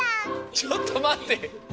ちょっとまって！